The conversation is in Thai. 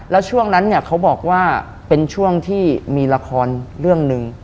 แล้วช่วงนั้นเนี่ยเขาบอกว่าเป็นช่วงที่มีละครเรื่องหนึ่ง